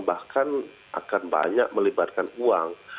bahkan akan banyak melibatkan uang